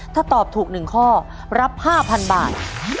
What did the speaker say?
ถ้าตอบถูก๑ข้อรับ๕๐๐๐บาท